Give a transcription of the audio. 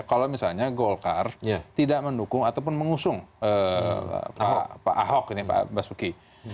kalau misalnya golkar tidak mendukung ataupun mengusung pak ahok ini pak basuki